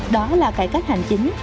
đó là cải cách hành chính